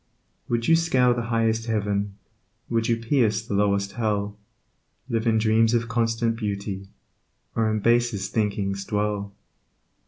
Would you scale the highest heaven, Would you pierce the lowest hell, Live in dreams of constant beauty, Or in basest thinkings dwell.